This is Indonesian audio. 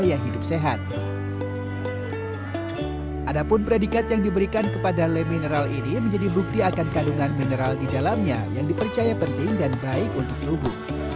ada pun predikat yang diberikan kepada le mineral ini menjadi bukti akan kandungan mineral di dalamnya yang dipercaya penting dan baik untuk tubuh